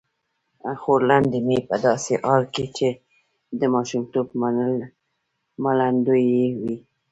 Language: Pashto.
خورلنډې مې په داسې حال کې چې د ماشومتوب ملنډې یې وې.